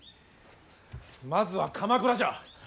まずは鎌倉じゃ。